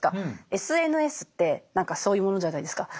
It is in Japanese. ＳＮＳって何かそういうものじゃないですか。